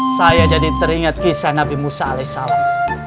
saya jadi teringat kisah nabi musa alih salam